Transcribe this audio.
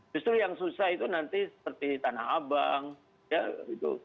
justru yang susah itu nanti seperti tanah abang ya gitu